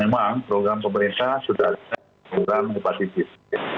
ya memang program pemerintah sudah ada program hepatitis